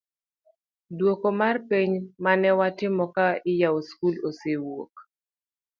duoko mar penj manewatimo ka iyawo skul osewuok